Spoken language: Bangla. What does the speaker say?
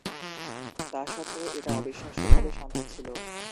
তা সত্ত্বেও, এটা অবিশ্বাস্যভাবে শান্ত ছিল।